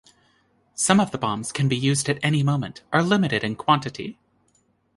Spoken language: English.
Some of the bombs can be used at any moment, are limited in quantity.